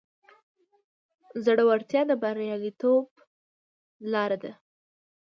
زړورتیا د بریالیتوب لاره ده.